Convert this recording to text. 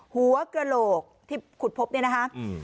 หัวกระโหลกที่ขุดพบเนี่ยนะคะ